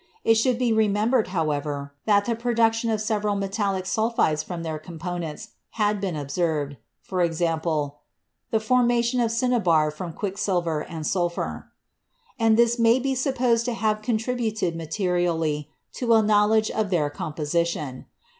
It should be remembered, however, that the production of several metallic sulphides from their components had been ob served {e.g., the formation of cinnabar from quicksilver and sulphur), and this may be supposed to have con tributed materially to a knowledge of their composition.